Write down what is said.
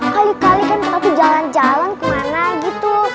kali kali kan aku jalan jalan kemana gitu